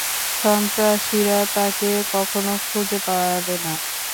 সন্ত্রাসীরা তাকে কখনো খুঁজে পাবে না।